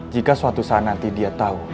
jika suatu saat nanti dia tahu